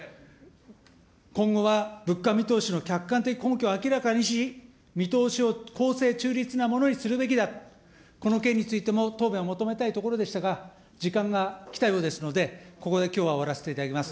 今後は物価見通しの客観的根拠を明らかにし、見通しを公正、中立なものにするべきだ、この件についても答弁を求めたいところでしたが、時間がきたようですので、ここできょうは終わらせていただきます。